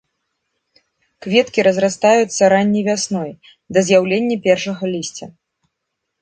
Кветкі разрастаюцца ранняй вясной да з'яўлення першага лісця.